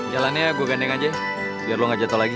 jalannya gue gandeng aja biar lo gak jatuh lagi